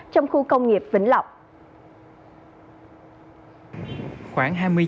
trong khu công nghiệp vĩnh lộc